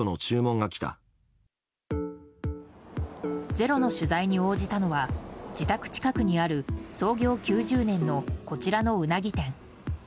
「ｚｅｒｏ」の取材に応じたのは、自宅近くにある創業９０年のこちらのうなぎ店。